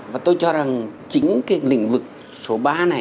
và tôi cho rằng chính cái lĩnh vực số ba này